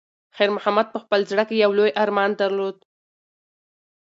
خیر محمد په خپل زړه کې یو لوی ارمان درلود.